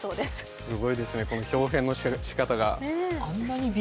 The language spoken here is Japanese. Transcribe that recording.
すごいですね、ひょう変のしかたが。